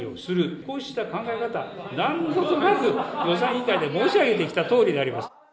こうした考え方、何度となく予算委員会で申し上げてきたとおりであります。